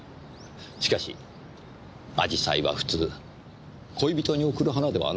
しかし紫陽花は普通恋人に贈る花ではないそうです。